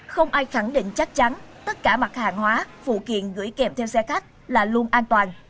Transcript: không ai khẳng định chắc chắn tất cả mặt hàng hóa phụ kiện gửi kèm theo xe khách là luôn an toàn